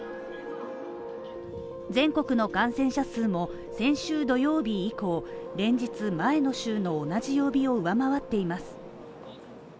全国の感染者数も、先週土曜日以降、連日、前の週の同じ曜日を上回っています。